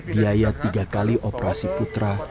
biaya tiga kali operasi putra